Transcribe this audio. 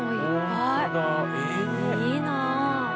いいなあ。